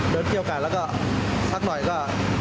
เดินเกี้ยวกาตล้วก็สักหน่อยก็